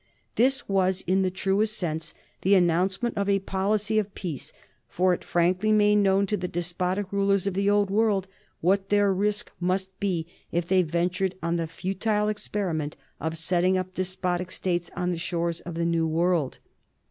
This was, in the truest sense, the announcement of a policy of peace, for it frankly made known to the despotic rulers of the Old World what their risk must be if they ventured on the futile experiment of setting up despotic states on the shores of the New World.